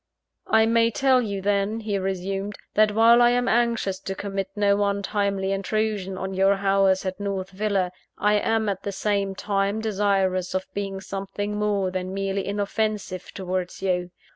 "I may tell you then," he resumed, "that while I am anxious to commit no untimely intrusion on your hours at North Villa, I am at the same time desirous of being something more than merely inoffensive towards you.